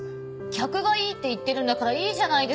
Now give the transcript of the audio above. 客がいいって言ってるんだからいいじゃないですか！